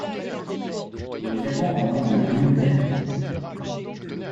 Il répond au nom de Gwynplaine.